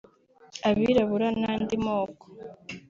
Abirabura n’andi moko